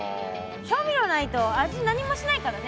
調味料ないと味何もしないからね。